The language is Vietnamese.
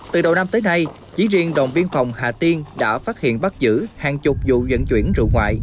từ đầu năm tới nay chỉ riêng đồng viên phòng hà tiên đã phát hiện bắt giữ hàng chục vụ dẫn chuyển rượu ngoại